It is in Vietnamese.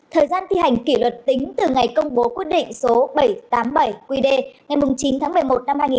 thời gian thi hành kỷ luật tính từ ngày công bố quyết định số bảy trăm tám mươi bảy qd ngày chín tháng một mươi một năm hai nghìn một mươi ba